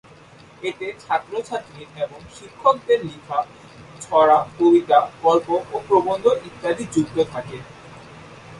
এতে ছাত্র-ছাত্রী এবং শিক্ষকদের লিখা ছড়া, কবিতা, গল্গ ও প্রবন্ধ ইত্যাদি যুক্ত থাকে।